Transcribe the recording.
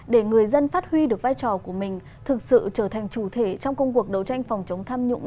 để người dân phát huy được vai trò của mình thực sự trở thành chủ thể trong công cuộc đấu tranh phòng chống tham nhũng